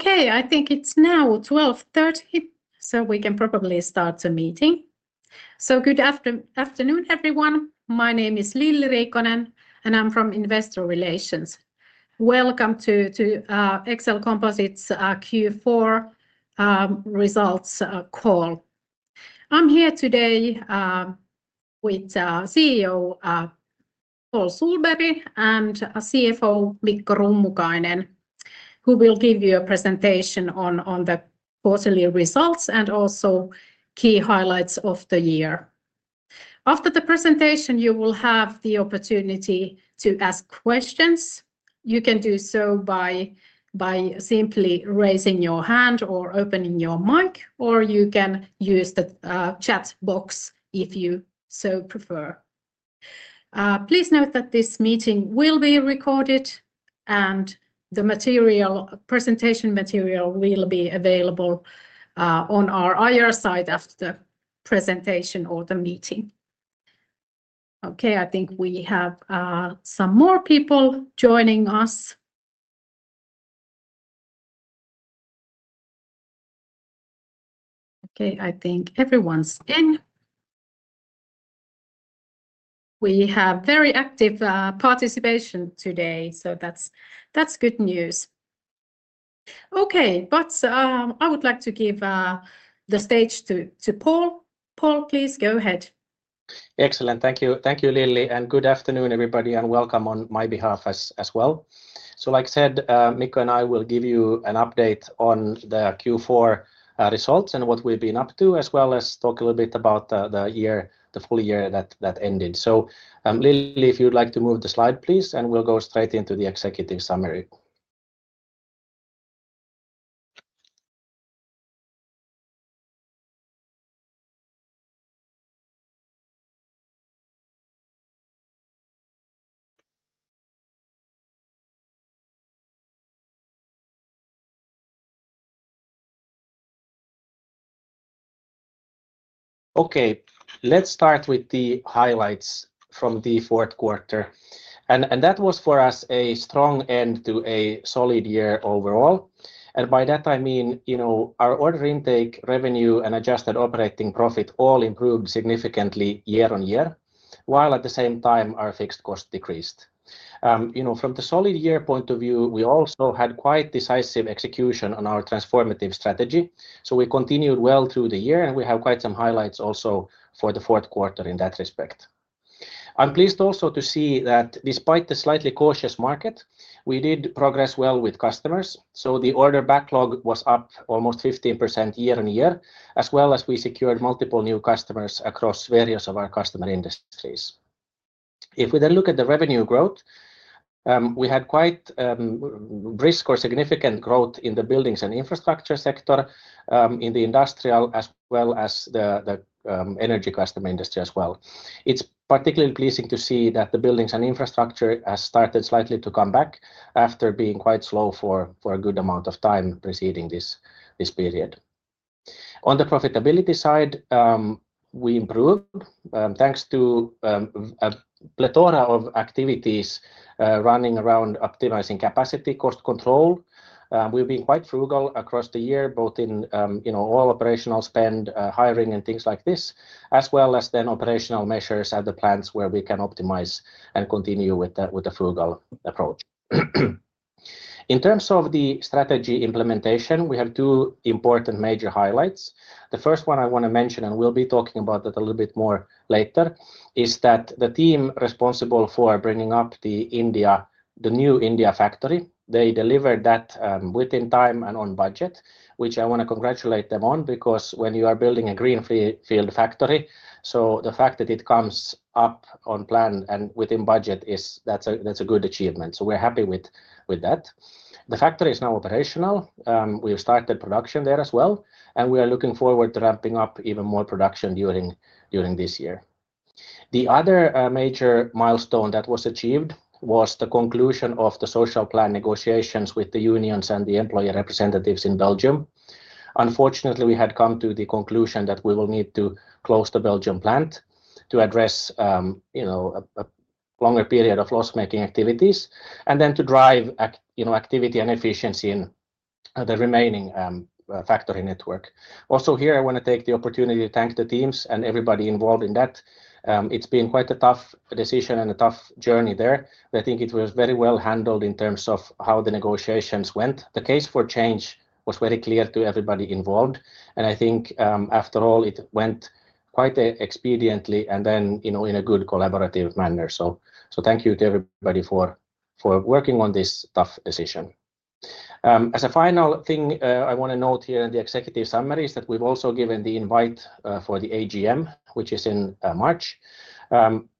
Okay, I think it's now 12:30, so we can probably start the meeting. Good afternoon, everyone. My name is Lilli Riikonen, and I'm from Investor Relations. Welcome to Exel Composites Q4 results call. I'm here today with CEO Paul Sohlberg and CFO Mikko Rummukainen, who will give you a presentation on the quarterly results and also key highlights of the year. After the presentation, you will have the opportunity to ask questions. You can do so by simply raising your hand or opening your mic, or you can use the chat box if you so prefer. Please note that this meeting will be recorded, and the presentation material will be available on our IR site after the presentation or the meeting. I think we have some more people joining us. I think everyone's in. We have very active participation today, so that's good news. Okay, but I would like to give the stage to Paul. Paul, please go ahead. Excellent. Thank you, Lilli, and good afternoon, everybody, and welcome on my behalf as well. Like I said, Mikko and I will give you an update on the Q4 results and what we've been up to, as well as talk a little bit about the full year that ended. Lilli, if you'd like to move the slide, please, and we'll go straight into the executive summary. Let's start with the highlights from the fourth quarter. That was for us a strong end to a solid year overall. By that, I mean our order intake, revenue, and adjusted operating profit all improved significantly year on year, while at the same time our fixed cost decreased. From the solid year point of view, we also had quite decisive execution on our transformative strategy. We continued well through the year, and we have quite some highlights also for the fourth quarter in that respect. I'm pleased also to see that despite the slightly cautious market, we did progress well with customers. The order backlog was up almost 15% year on year, as well as we secured multiple new customers across various of our customer industries. If we then look at the revenue growth, we had quite brisk or significant growth in the buildings and infrastructure sector, in the industrial, as well as the energy customer industry as well. It's particularly pleasing to see that the buildings and infrastructure has started slightly to come back after being quite slow for a good amount of time preceding this period. On the profitability side, we improved thanks to a plethora of activities running around optimizing capacity, cost control. We've been quite frugal across the year, both in all operational spend, hiring, and things like this, as well as then operational measures at the plants where we can optimize and continue with a frugal approach. In terms of the strategy implementation, we have two important major highlights. The first one I want to mention, and we'll be talking about that a little bit more later, is that the team responsible for bringing up the new India factory, they delivered that within time and on budget, which I want to congratulate them on, because when you are building a greenfield factory, the fact that it comes up on plan and within budget, that's a good achievement. We are happy with that. The factory is now operational. We've started production there as well, and we are looking forward to ramping up even more production during this year. The other major milestone that was achieved was the conclusion of the social plan negotiations with the unions and the employer representatives in Belgium. Unfortunately, we had come to the conclusion that we will need to close the Belgian plant to address a longer period of loss-making activities, and then to drive activity and efficiency in the remaining factory network. Also here, I want to take the opportunity to thank the teams and everybody involved in that. It's been quite a tough decision and a tough journey there. I think it was very well handled in terms of how the negotiations went. The case for change was very clear to everybody involved. I think after all, it went quite expediently and in a good collaborative manner. Thank you to everybody for working on this tough decision. As a final thing, I want to note here in the executive summary is that we've also given the invite for the AGM, which is in March.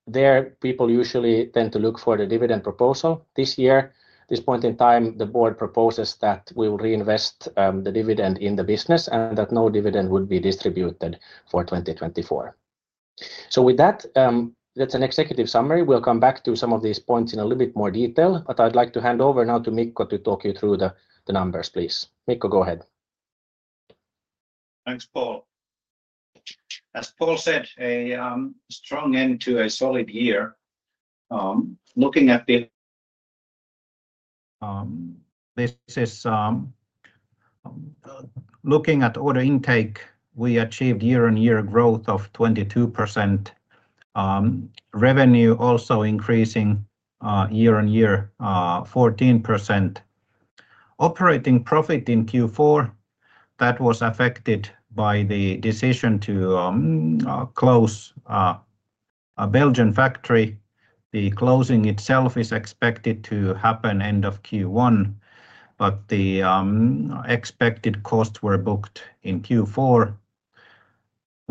There, people usually tend to look for the dividend proposal. This year, at this point in time, the board proposes that we will reinvest the dividend in the business and that no dividend would be distributed for 2024. With that, that's an executive summary. We'll come back to some of these points in a little bit more detail, but I'd like to hand over now to Mikko to talk you through the numbers, please. Mikko, go ahead. Thanks, Paul. As Paul said, a strong end to a solid year. Looking at the order intake, we achieved year-on-year growth of 22%. Revenue also increasing year-on-year 14%. Operating profit in Q4, that was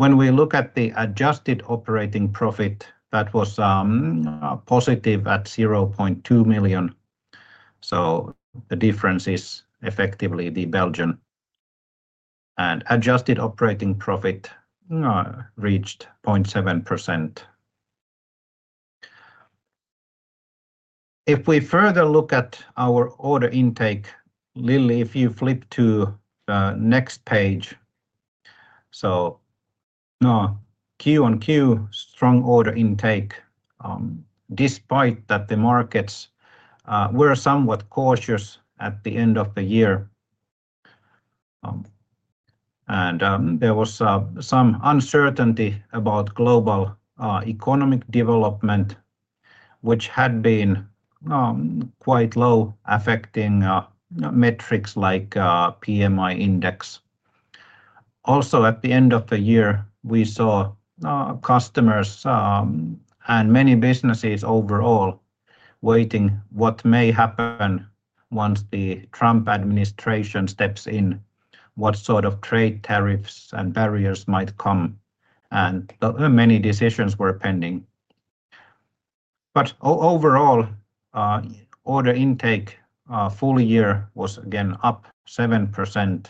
affected by the decision to close a Belgian factory. The closing itself is expected to happen end of Q1, but the expected costs were booked in Q4. When we look at the adjusted operating profit, that was positive at 0.2 million. So the difference is effectively the Belgian. And adjusted operating profit reached 0.7%. If we further look at our order intake, Lilli, if you flip to the next page. Q on Q, strong order intake, despite that the markets were somewhat cautious at the end of the year. There was some uncertainty about global economic development, which had been quite low, affecting metrics like PMI index. Also, at the end of the year, we saw customers and many businesses overall waiting what may happen once the Trump administration steps in, what sort of trade tariffs and barriers might come, and many decisions were pending. Overall, order intake full year was again up 7%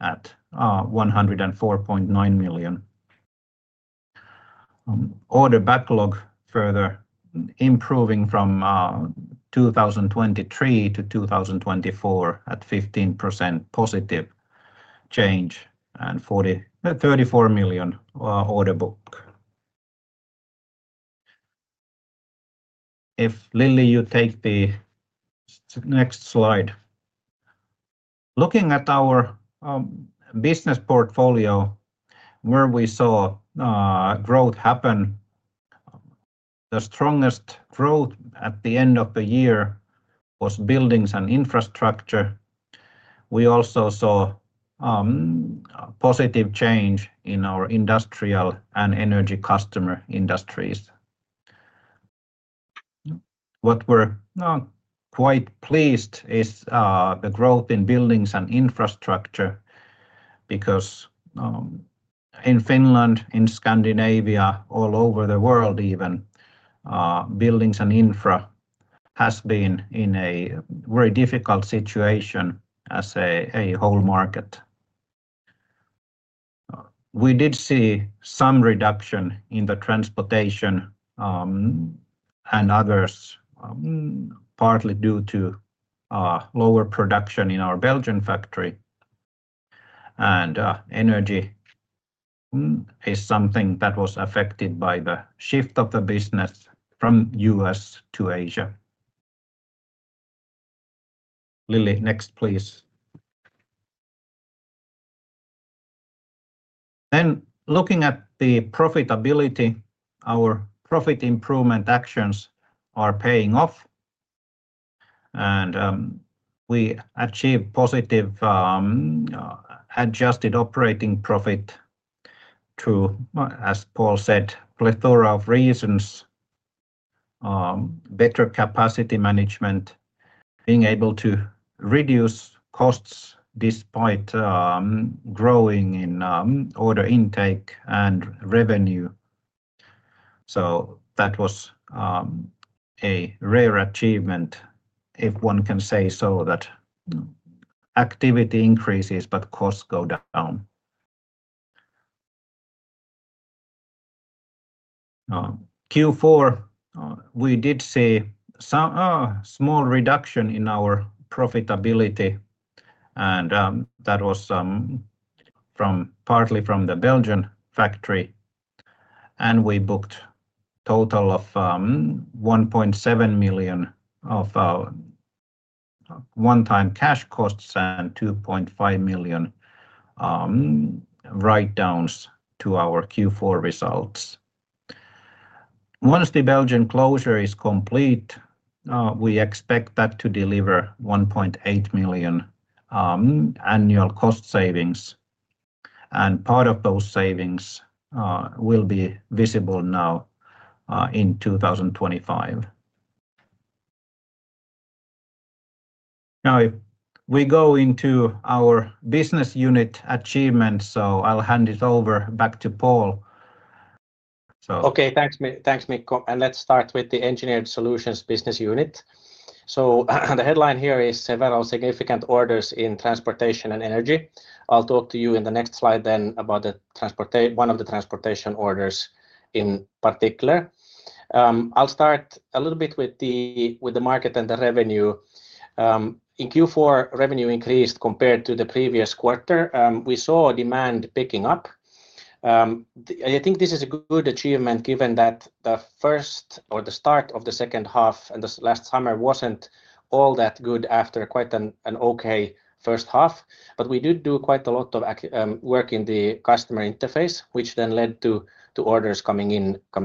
at EUR 104.9 million. Order backlog further improving from 2023 to 2024 at 15% positive change and 34 million order book. If Lilli, you take the next slide. Looking at our business portfolio, where we saw growth happen, the strongest growth at the end of the year was buildings and infrastructure. We also saw positive change in our industrial and energy customer industries. What we're quite pleased is the growth in buildings and infrastructure because in Finland, in Scandinavia, all over the world even, buildings and infra has been in a very difficult situation as a whole market. We did see some reduction in the transportation and others partly due to lower production in our Belgian factory. Energy is something that was affected by the shift of the business from the U.S. to Asia. Lilli, next please. Looking at the profitability, our profit improvement actions are paying off. We achieved positive adjusted operating profit to, as Paul said, plethora of reasons, better capacity management, being able to reduce costs despite growing in order intake and revenue. That was a rare achievement, if one can say so, that activity increases but costs go down. In Q4, we did see some small reduction in our profitability, and that was partly from the Belgian factory. We booked a total of 1.7 million of one-time cash costs and 2.5 million write-downs to our Q4 results. Once the Belgian closure is complete, we expect that to deliver 1.8 million annual cost savings. Part of those savings will be visible now in 2025. Now, if we go into our business unit achievements, I'll hand it over back to Paul. Okay, thanks, Mikko. Let's start with the Engineered Solutions business unit. The headline here is several significant orders in transportation and energy. I'll talk to you in the next slide about one of the transportation orders in particular. I'll start a little bit with the market and the revenue. In Q4, revenue increased compared to the previous quarter. We saw demand picking up. I think this is a good achievement given that the first or the start of the second half and the last summer was not all that good after quite an okay first half. We did do quite a lot of work in the customer interface, which then led to orders coming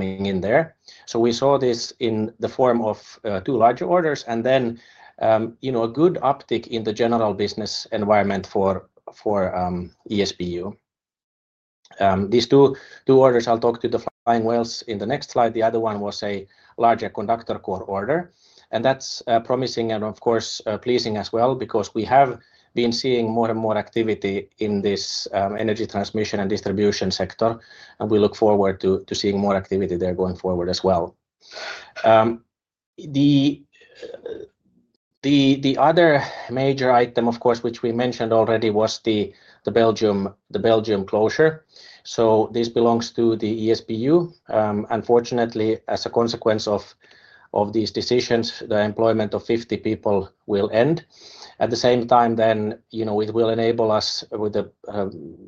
in there. We saw this in the form of two larger orders and a good uptick in the general business environment for ESBU. These two orders, I'll talk to the FLYING WHALES in the next slide. The other one was a larger conductor core order. That's promising and, of course, pleasing as well because we have been seeing more and more activity in this energy transmission and distribution sector. We look forward to seeing more activity there going forward as well. The other major item, of course, which we mentioned already was the Belgium closure. This belongs to the ESBU. Unfortunately, as a consequence of these decisions, the employment of 50 people will end. At the same time, it will enable us with the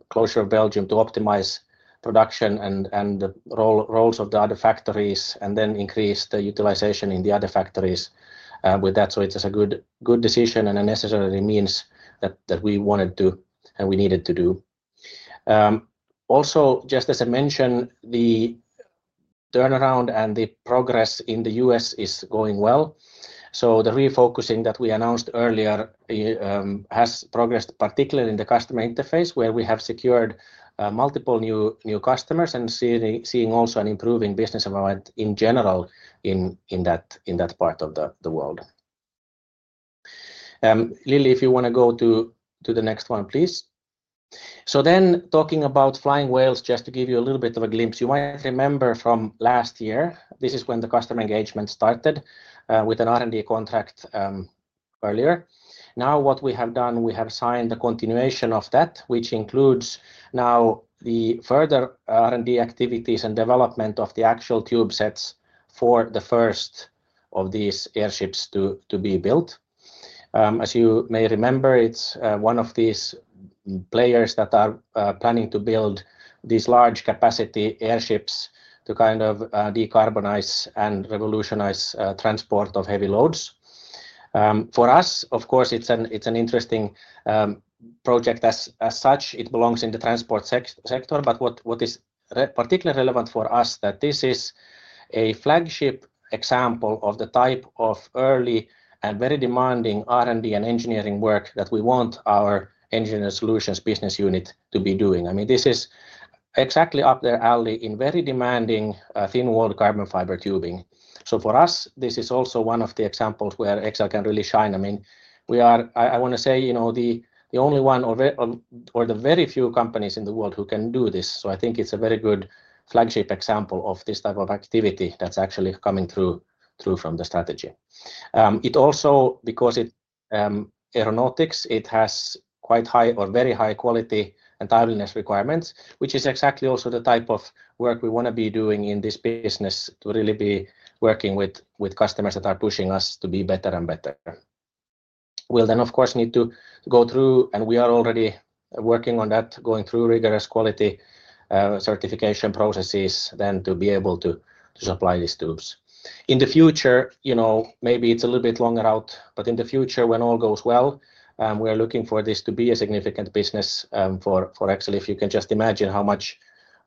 closure of Belgium to optimize production and the roles of the other factories and increase the utilization in the other factories with that. It's a good decision and a necessary means that we wanted to and we needed to do. Also, just as I mentioned, the turnaround and the progress in the U.S. is going well. The refocusing that we announced earlier has progressed particularly in the customer interface where we have secured multiple new customers and seeing also an improving business environment in general in that part of the world. Lilli, if you want to go to the next one, please. Talking about FLYING WHALES, just to give you a little bit of a glimpse, you might remember from last year, this is when the customer engagement started with an R&D contract earlier. Now what we have done, we have signed the continuation of that, which includes now the further R&D activities and development of the actual tube sets for the first of these airships to be built. As you may remember, it's one of these players that are planning to build these large capacity airships to kind of decarbonize and revolutionize transport of heavy loads. For us, of course, it's an interesting project as such. It belongs in the transport sector. What is particularly relevant for us, that this is a flagship example of the type of early and very demanding R&D and engineering work that we want our Engineered Solutions business unit to be doing. I mean, this is exactly up their alley in very demanding thin-walled carbon fiber tubing. For us, this is also one of the examples where Exel can really shine. I mean, we are, I want to say, the only one or the very few companies in the world who can do this. I think it's a very good flagship example of this type of activity that's actually coming through from the strategy. It also, because it's aeronautics, has quite high or very high quality and timeliness requirements, which is exactly also the type of work we want to be doing in this business to really be working with customers that are pushing us to be better and better. We'll then, of course, need to go through, and we are already working on that, going through rigorous quality certification processes to be able to supply these tubes. In the future, maybe it's a little bit longer out, but in the future, when all goes well, we are looking for this to be a significant business for Exel Composites. If you can just imagine how much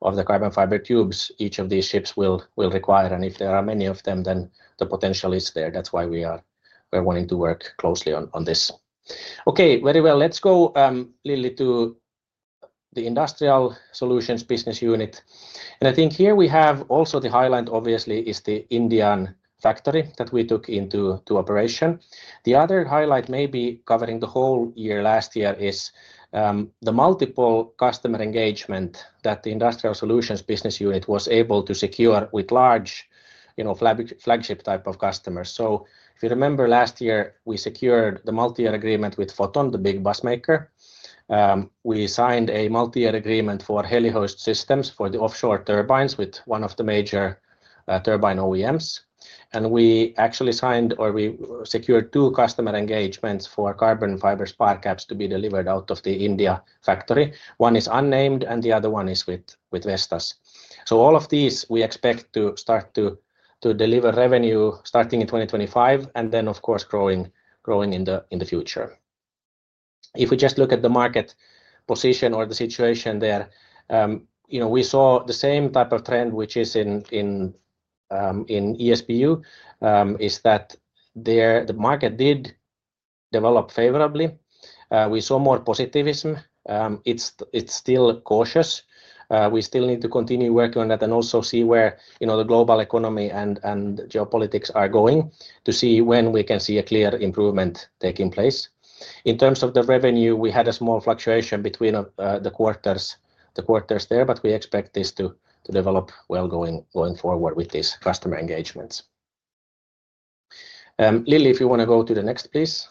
of the carbon fiber tubes each of these ships will require. If there are many of them, then the potential is there. That's why we are wanting to work closely on this. Okay, very well. Let's go, Lilli, to the Industrial Solutions business unit. I think here we have also the highlight, obviously, is the Indian factory that we took into operation. The other highlight, maybe covering the whole year last year, is the multiple customer engagement that the Industrial Solutions business unit was able to secure with large flagship type of customers. If you remember last year, we secured the multi-year agreement with Foton, the big bus maker. We signed a multi-year agreement for helihoist systems for the offshore turbines with one of the major turbine OEMs. We actually signed or we secured two customer engagements for carbon fiber spar caps to be delivered out of the India factory. One is unnamed and the other one is with Vestas. All of these, we expect to start to deliver revenue starting in 2025 and then, of course, growing in the future. If we just look at the market position or the situation there, we saw the same type of trend, which is in ESBU, is that the market did develop favorably. We saw more positivism. It's still cautious. We still need to continue working on that and also see where the global economy and geopolitics are going to see when we can see a clear improvement taking place. In terms of the revenue, we had a small fluctuation between the quarters there, but we expect this to develop well going forward with these customer engagements. Lilli, if you want to go to the next, please.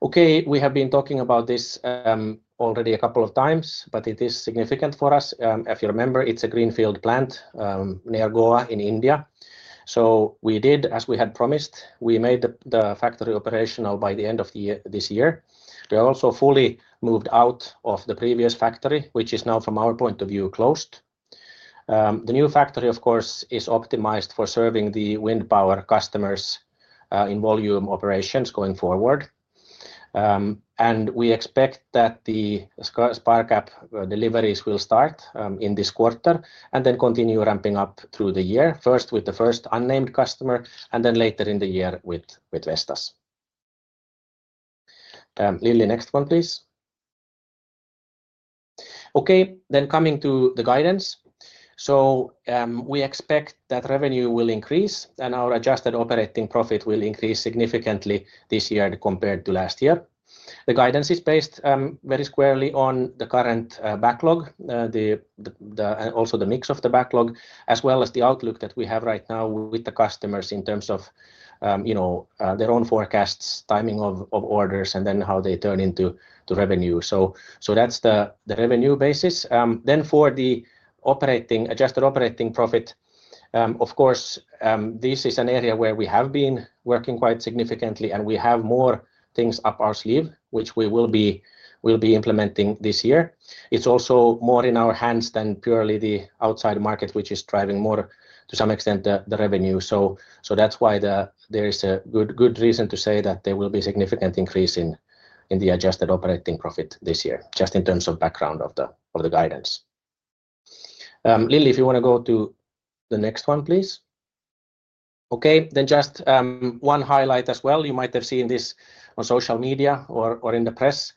Okay, we have been talking about this already a couple of times, but it is significant for us. If you remember, it's a greenfield plant near Goa in India. We did, as we had promised, we made the factory operational by the end of this year. They are also fully moved out of the previous factory, which is now, from our point of view, closed. The new factory, of course, is optimized for serving the wind power customers in volume operations going forward. We expect that the spar cap deliveries will start in this quarter and then continue ramping up through the year, first with the first unnamed customer and then later in the year with Vestas. Lilli, next one, please. Okay, then coming to the guidance. We expect that revenue will increase and our adjusted operating profit will increase significantly this year compared to last year. The guidance is based very squarely on the current backlog and also the mix of the backlog, as well as the outlook that we have right now with the customers in terms of their own forecasts, timing of orders, and how they turn into revenue. That is the revenue basis. For the adjusted operating profit, of course, this is an area where we have been working quite significantly and we have more things up our sleeve, which we will be implementing this year. It is also more in our hands than purely the outside market, which is driving more to some extent the revenue. That is why there is a good reason to say that there will be a significant increase in the adjusted operating profit this year, just in terms of background of the guidance. Lilli, if you want to go to the next one, please. Okay, then just one highlight as well. You might have seen this on social media or in the press.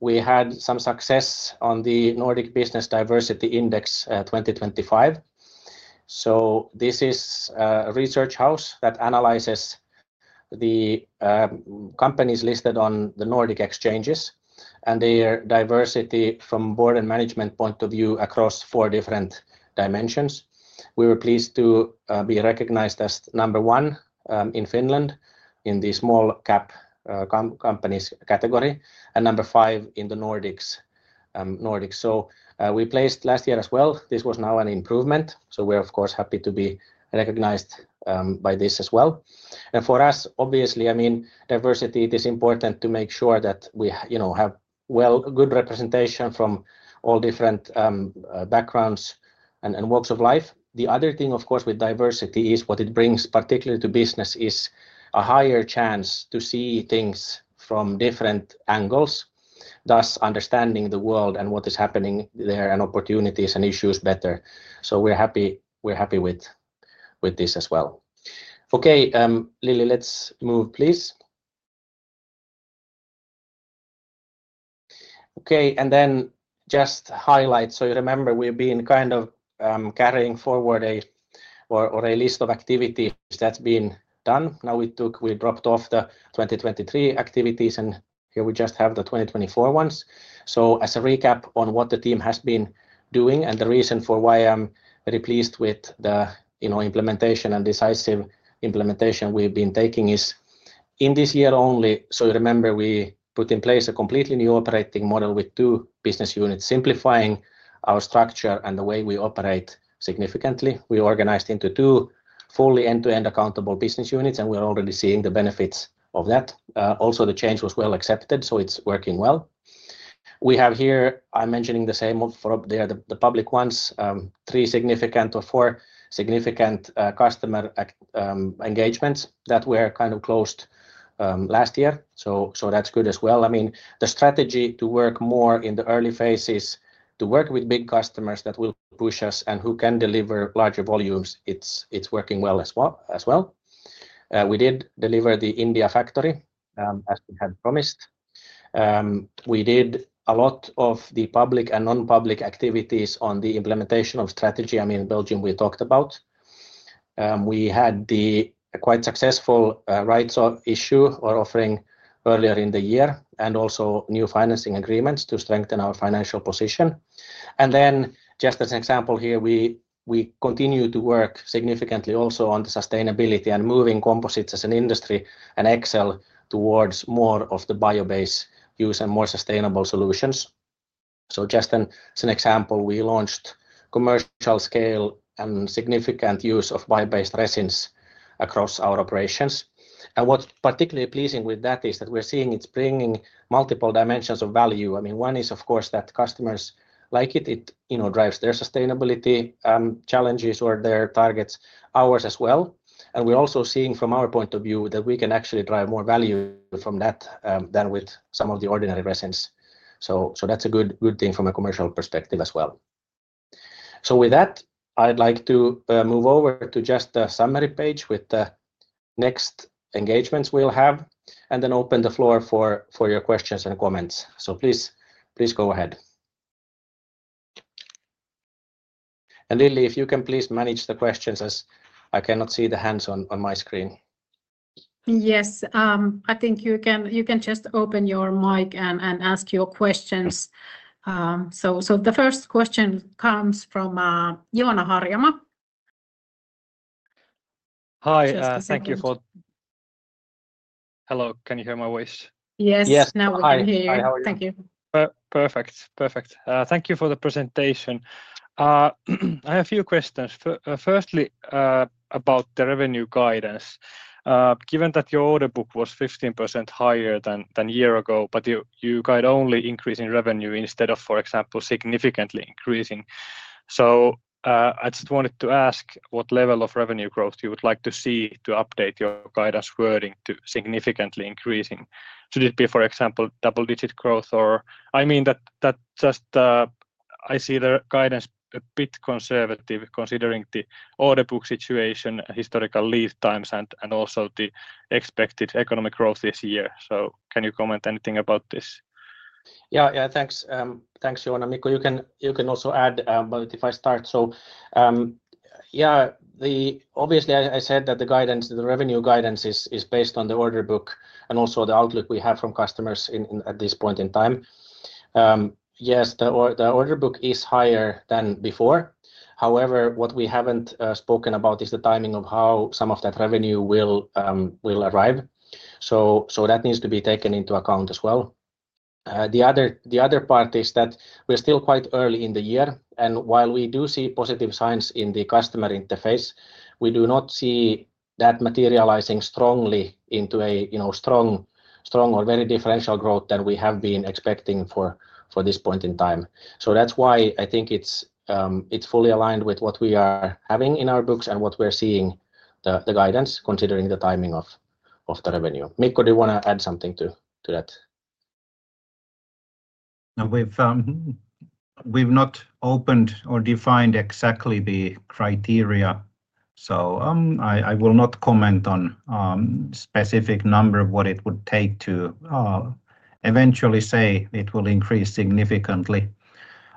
We had some success on the Nordic Business Diversity Index 2025. This is a research house that analyzes the companies listed on the Nordic exchanges and their diversity from board and management point of view across four different dimensions. We were pleased to be recognized as number one in Finland in the small cap companies category and number five in the Nordics. We placed last year as well. This was now an improvement. We are, of course, happy to be recognized by this as well. For us, obviously, I mean, diversity, it is important to make sure that we have good representation from all different backgrounds and walks of life. The other thing, of course, with diversity is what it brings particularly to business is a higher chance to see things from different angles, thus understanding the world and what is happening there and opportunities and issues better. So we're happy with this as well. Okay, Lilli, let's move, please. Okay, and then just highlights. You remember we've been kind of carrying forward a list of activities that's been done. Now we dropped off the 2023 activities and here we just have the 2024 ones. As a recap on what the team has been doing and the reason for why I'm very pleased with the implementation and decisive implementation we've been taking is in this year only. You remember we put in place a completely new operating model with two business units, simplifying our structure and the way we operate significantly. We organized into two fully end-to-end accountable business units and we're already seeing the benefits of that. Also, the change was well accepted, so it's working well. We have here, I'm mentioning the same for the public ones, three significant or four significant customer engagements that were kind of closed last year. So that's good as well. I mean, the strategy to work more in the early phases to work with big customers that will push us and who can deliver larger volumes, it's working well as well. We did deliver the India factory as we had promised. We did a lot of the public and non-public activities on the implementation of strategy. I mean, Belgium we talked about. We had the quite successful rights issue or offering earlier in the year and also new financing agreements to strengthen our financial position. Just as an example here, we continue to work significantly also on the sustainability and moving composites as an industry and Exel towards more of the bio-based use and more sustainable solutions. Just as an example, we launched commercial scale and significant use of bio-based resins across our operations. What's particularly pleasing with that is that we're seeing it's bringing multiple dimensions of value. I mean, one is, of course, that customers like it. It drives their sustainability challenges or their targets, ours as well. We're also seeing from our point of view that we can actually drive more value from that than with some of the ordinary resins. That's a good thing from a commercial perspective as well. With that, I'd like to move over to just the summary page with the next engagements we'll have and then open the floor for your questions and comments. Please go ahead. Lilli, if you can please manage the questions as I cannot see the hands on my screen. Yes, I think you can just open your mic and ask your questions. The first question comes from Joona Harjama. Hi, thank you for. Hello, can you hear my voice? Yes, now we can hear you. Thank you. Perfect. Perfect. Thank you for the presentation. I have a few questions. Firstly, about the revenue guidance. Given that your order book was 15% higher than a year ago, but you guide only increasing revenue instead of, for example, significantly increasing. I just wanted to ask what level of revenue growth you would like to see to update your guidance wording to significantly increasing. Should it be, for example, double-digit growth or, I mean, I just see the guidance a bit conservative considering the order book situation, historical lead times, and also the expected economic growth this year. Can you comment anything about this? Yeah, yeah, thanks. Thanks, Joona. Mikko, you can also add, but if I start. Yeah, obviously I said that the revenue guidance is based on the order book and also the outlook we have from customers at this point in time. Yes, the order book is higher than before. However, what we have not spoken about is the timing of how some of that revenue will arrive. That needs to be taken into account as well. The other part is that we're still quite early in the year. While we do see positive signs in the customer interface, we do not see that materializing strongly into a strong or very differential growth that we have been expecting for this point in time. That is why I think it's fully aligned with what we are having in our books and what we're seeing the guidance considering the timing of the revenue. Mikko, do you want to add something to that? We've not opened or defined exactly the criteria. I will not comment on a specific number of what it would take to eventually say it will increase significantly.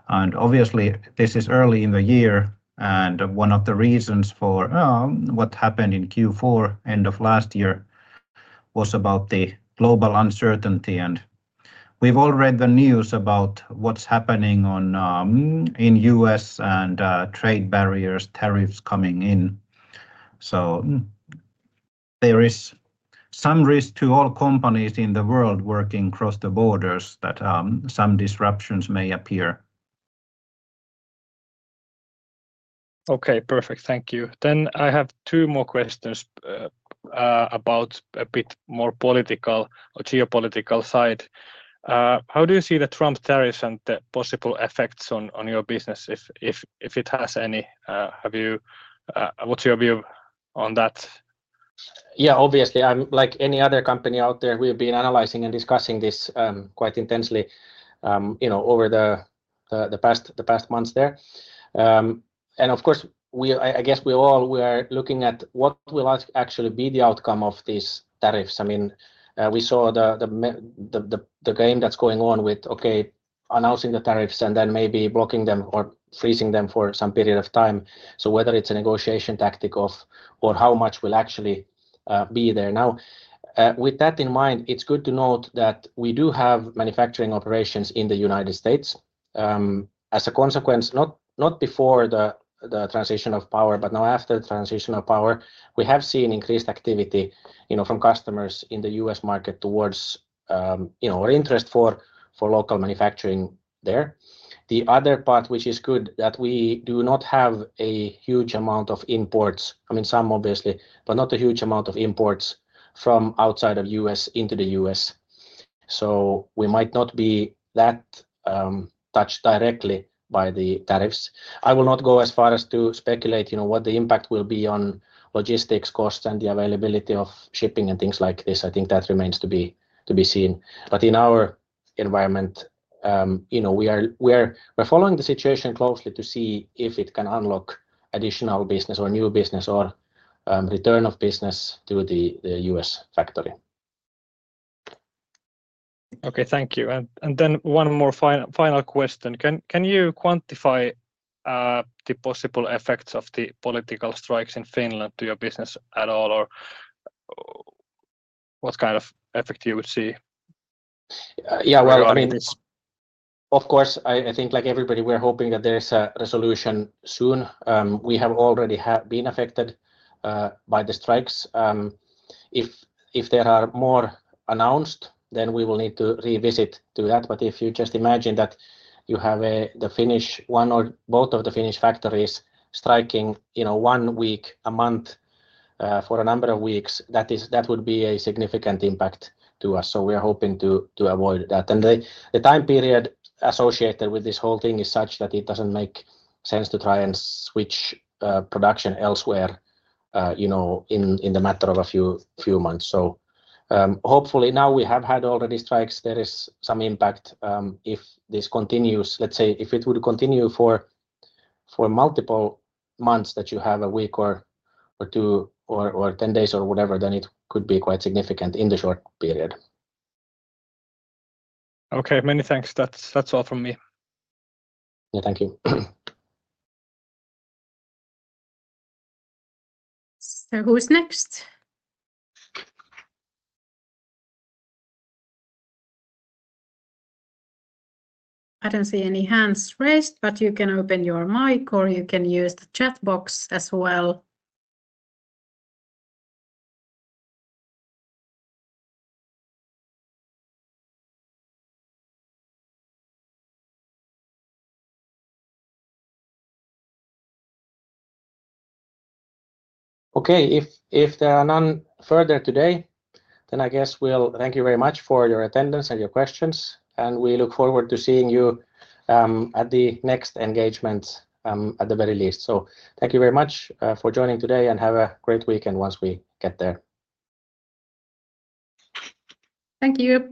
Obviously, this is early in the year. One of the reasons for what happened in Q4 end of last year was about the global uncertainty. We have all read the news about what is happening in the U.S. and trade barriers, tariffs coming in. There is some risk to all companies in the world working across borders that some disruptions may appear. Okay, perfect. Thank you. I have two more questions about a bit more political or geopolitical side. How do you see the Trump tariffs and the possible effects on your business, if it has any? What is your view on that? Yeah, obviously, like any other company out there, we have been analyzing and discussing this quite intensely over the past months there. Of course, I guess we all were looking at what will actually be the outcome of these tariffs. I mean, we saw the game that is going on with, okay, announcing the tariffs and then maybe blocking them or freezing them for some period of time. Whether it's a negotiation tactic or how much will actually be there. Now, with that in mind, it's good to note that we do have manufacturing operations in the U.S. As a consequence, not before the transition of power, but now after the transition of power, we have seen increased activity from customers in the U.S. market towards our interest for local manufacturing there. The other part, which is good, that we do not have a huge amount of imports. I mean, some obviously, but not a huge amount of imports from outside of the U.S. into the U.S. We might not be that touched directly by the tariffs. I will not go as far as to speculate what the impact will be on logistics costs and the availability of shipping and things like this. I think that remains to be seen. In our environment, we're following the situation closely to see if it can unlock additional business or new business or return of business to the US factory. Okay, thank you. One more final question. Can you quantify the possible effects of the political strikes in Finland to your business at all, or what kind of effect you would see? I mean, of course, I think like everybody, we're hoping that there's a resolution soon. We have already been affected by the strikes. If there are more announced, we will need to revisit that. If you just imagine that you have the Finnish one or both of the Finnish factories striking one week a month, for a number of weeks, that would be a significant impact to us. We are hoping to avoid that. The time period associated with this whole thing is such that it does not make sense to try and switch production elsewhere in the matter of a few months. Hopefully now we have had already strikes, there is some impact. If this continues, let's say if it would continue for multiple months that you have a week or two or 10 days or whatever, then it could be quite significant in the short period. Okay, many thanks. That is all from me. Yeah, thank you. Who is next? I do not see any hands raised, but you can open your mic or you can use the chat box as well. If there are none further today, I guess we will thank you very much for your attendance and your questions. We look forward to seeing you at the next engagement at the very least. Thank you very much for joining today and have a great weekend once we get there. Thank you.